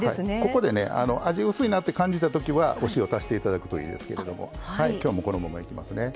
ここでね味薄いなって感じたときはお塩足していただくといいですけれども今日はこのままいきますね。